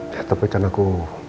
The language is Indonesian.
ya tapi kan aku